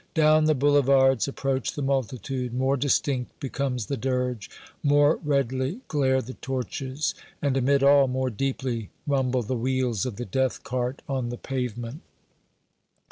Down the boulevards approach the multitude more distinct becomes the dirge more redly glare the torches and, amid all, more deeply rumble the wheels of the death cart on the pavement!